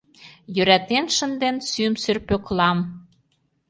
Йӧратен шынден сӱмсыр Пӧклам?